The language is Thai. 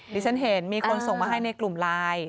ที่ฉันเห็นมีคนส่งมาให้ในกลุ่มไลน์